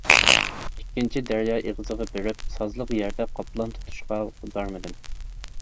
ئىككىنچى دەريا ئېغىزىغا بېرىپ سازلىق يەردە قاپلان تۇتۇشقا بارمىدىم.